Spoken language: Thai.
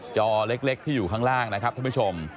จอเล็กที่อยู่ข้างล่างนะครับท่านผู้ชม